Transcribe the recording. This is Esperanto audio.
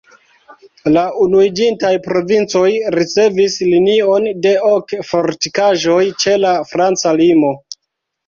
La Unuiĝintaj Provincoj ricevis linion de ok fortikaĵoj ĉe la franca limo.